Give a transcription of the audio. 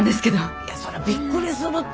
いやそらびっくりするて。